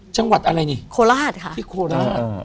จังหวัดอะไรสิโคลาดค่ะ